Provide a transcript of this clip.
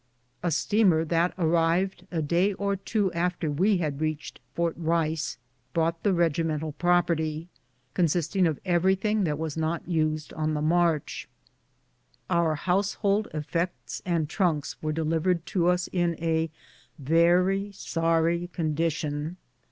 A steamer that arrived a day or two after we had reached Fort Rice brought the regimental property, consisting of everything that was not used on the march. Our household effects and trunks were delivered to us in a very sorry condition.